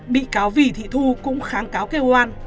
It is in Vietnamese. bị cáo vì thị thu cũng kháng cáo kêu oan